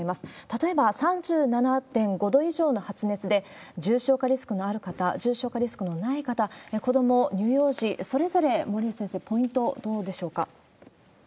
例えば３７．５度以上の発熱で、重症化リスクのある方、重症化リスクのない方、子ども、乳幼児、それぞれ森内先生ポイント、どうでしょうか？